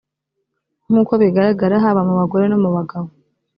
nk uko bigaragara haba mu bagore no mu bagabo